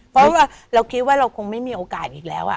เพราะว่าเราคิดว่าเราคงไม่มีโอกาสอีกแล้ว